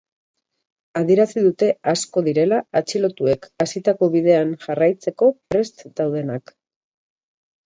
Adierazi dute asko direla atxilotuek hasitako bidean jarraitzeko prest daudenak.